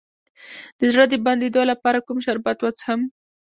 د زړه د بندیدو لپاره کوم شربت وڅښم؟